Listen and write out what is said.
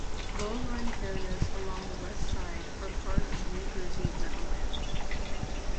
Low-lying areas along the west side are part of the New Jersey Meadowlands.